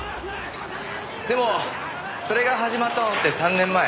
でもそれが始まったのって３年前。